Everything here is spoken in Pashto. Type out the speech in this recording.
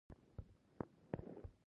سپينه خولۍ يې پر سر وه.